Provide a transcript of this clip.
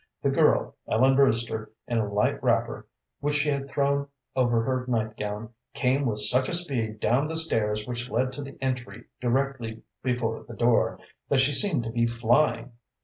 The girl, Ellen Brewster, in a light wrapper, which she had thrown over her night gown, came with such a speed down the stairs which led to the entry directly before the door, that she seemed to be flying.